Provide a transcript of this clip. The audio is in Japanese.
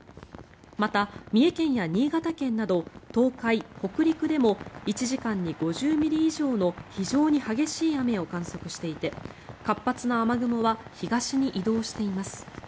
また、三重県や新潟県など東海、北陸でも１時間に５０ミリ以上の非常に激しい雨を観測していて活発な雨雲は東に移動しています。